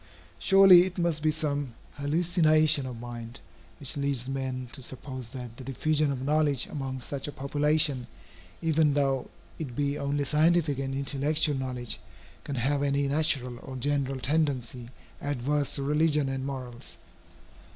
Surely it must be some hallucination of mind, which leads men to suppose that the diffusion of knowledge among such a population, even though it be only scientific and intellectual knowledge, can have any natural or general tendency adverse to religion and morals.